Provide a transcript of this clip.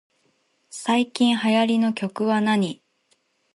最近流行りの曲はなに